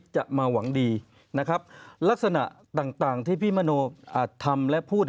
จะมาหวังดีลักษณะต่างที่พี่มโนทำและพูด